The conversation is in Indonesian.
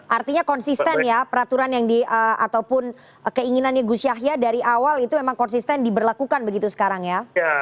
artinya konsisten ya peraturan yang di ataupun keinginannya gus yahya dari awal itu memang konsisten diberlakukan begitu sekarang ya